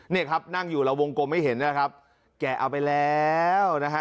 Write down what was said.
นี่ครับนั่งอยู่เราวงกลมให้เห็นนะครับแกะเอาไปแล้วนะฮะ